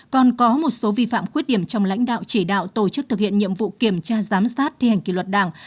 còn có một số vi phạm khuyết điểm trong lãnh đạo chỉ đạo tổ chức thực hiện nhiệm vụ kiểm tra giám sát thi hành kỷ luật đảng